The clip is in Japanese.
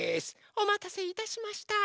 おまたせいたしました。